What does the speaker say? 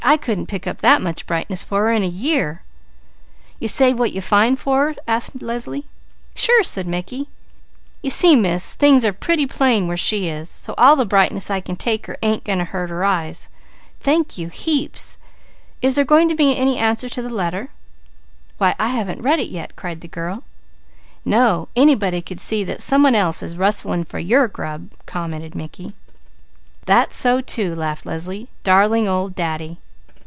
"I couldn't pick up that much brightness for her in a year!" "You save what you find for her?" asked Leslie. "Sure!" said Mickey. "You see Miss, things are pretty plain where she is, so all the brightness I can take her ain't going to hurt her eyes. Thank you heaps. Is there going to be any answer to the letter?" "Why I haven't read it yet!" cried the girl. "No! A body can see that some one else is rustling for your grub!" commented Mickey. "That's so too," laughed Leslie. "Darling old Daddy!"